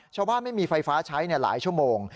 ไม่มีไฟฟ้าใช้หลายชั่วโมง